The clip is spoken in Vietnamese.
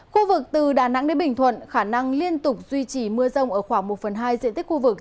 khu vực từ đà nẵng đến bình thuận khả năng liên tục duy trì mưa rông ở khoảng một phần hai diện tích khu vực